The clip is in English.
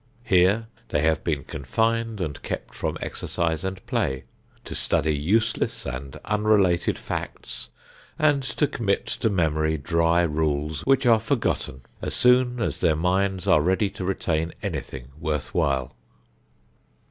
Here they have been confined and kept from exercise and play, to study useless and unrelated facts and to commit to memory dry rules which are forgotten as soon as their minds are ready to retain anything worth while.